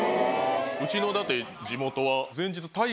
うちの地元は前日。